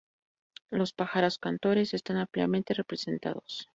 Los pájaros cantores están ampliamente representados.